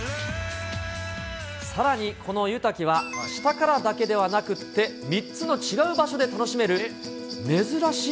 さらに、この湯滝は下からだけではなくって、３つの違う場所で楽しめる珍あー、